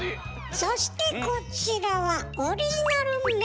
そしてこちらはオリジナルメンバー。